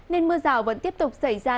nên mưa rào vẫn tiếp tục xảy ra